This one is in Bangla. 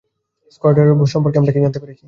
স্টকইয়ার্ডগুলো সম্পর্কে আমরা কী জানতে পেরেছি?